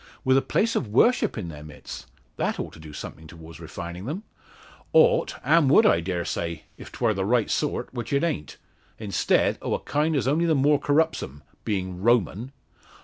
"With a place of worship in their midst! That ought to do something towards refining them." "Ought; and would, I dare say, if 'twar the right sort which it a'nt. Instead, o' a kind as only the more corrupts 'em being Roman."